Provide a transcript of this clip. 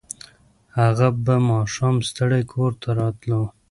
هغه به ماښام ستړی کور ته راتلو